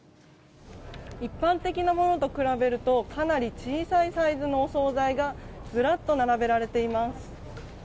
一般的なものと比べるとかなり小さいサイズのお総菜がずらっと並べられています。